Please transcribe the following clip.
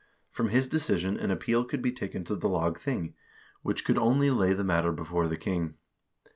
From his decision an appeal could be taken to the lagthing, which could only lay the matter before the king.